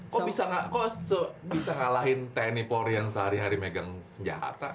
kok bisa ngalahin tenny por yang sehari hari megang senjata